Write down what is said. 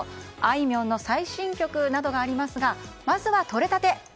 いみょんの最新曲などがありますがまずはとれたて。